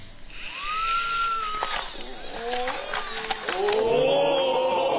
お！